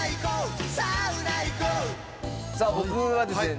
「さあ僕はですね